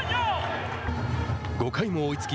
５回も追いつき